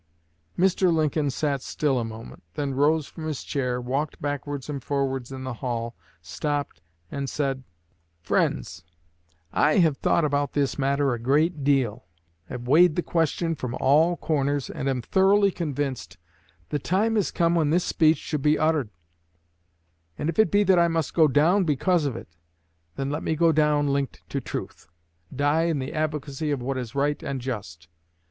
Mr. Lincoln sat still a moment, then rose from his chair, walked backwards and forwards in the hall, stopped, and said: 'Friends, I have thought about this matter a great deal, have weighed the questions from all corners, and am thoroughly convinced the time has come when this speech should be uttered; and if it be that I must go down because of it, then let me go down linked to truth die in the advocacy of what is right and just.